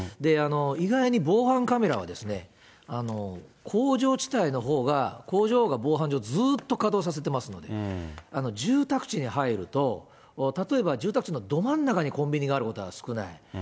意外に防犯カメラは、工場地帯のほうが、工場が防犯上、ずっと稼働させてますので、住宅地に入ると、例えば住宅地のど真ん中にコンビニがあることは少ない。